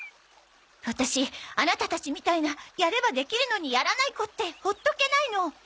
ワタシアナタたちみたいなやればできるのにやらない子ってほっとけないの。